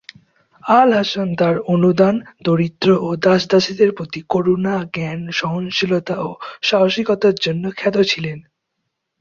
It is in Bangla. আল-হাসান তাঁর অনুদান, দরিদ্র ও দাস-দাসীদের প্রতি করুণা, জ্ঞান, সহনশীলতা ও সাহসিকতার জন্য খ্যাত ছিলেন।